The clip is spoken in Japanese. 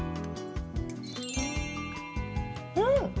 うん！